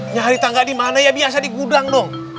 nyari tangga dimana ya biasa di gudang dong